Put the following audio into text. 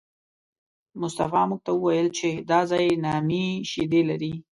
مصطفی موږ ته وویل چې دا ځای نامي شیدې لري.